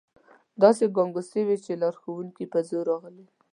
داسې ګنګوسې وې چې لارښوونکي په زور راغلي.